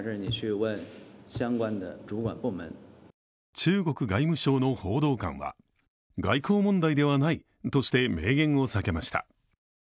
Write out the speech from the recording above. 中国外務省の報道官は、外交問題ではないとして明言を避けました。